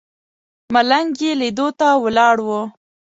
ملنګ یې لیدو ته ولاړ و.